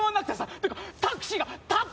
っていうかタクシーが立ってさ。